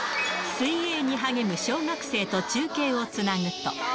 水泳に励む小学生と中継をつなぐと。